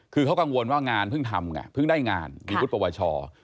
คือเขากังวลว่างานเพิ่งทำไงเพิ่งได้งานมีวุฒิปวช